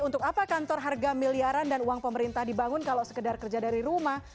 untuk apa kantor harga miliaran dan uang pemerintah dibangun kalau sekedar kerja dari rumah